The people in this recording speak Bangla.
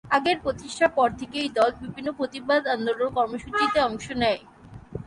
আপের প্রতিষ্ঠার পর থেকে এই দল বিভিন্ন প্রতিবাদ আন্দোলন কর্মসূচিতে অংশ নেয়।